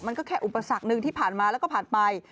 มันก็แค่อุปสรรคหนึ่งที่ผ่านมาแล้วก็ผ่านไป